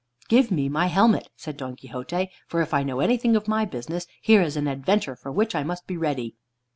"Give me my helmet," said Don Quixote, "for if I know anything of my business, here is an adventure for which I must be ready."